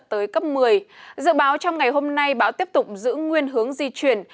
trong ngày hôm nay báo tiếp tục giữ nguyên hướng di chuyển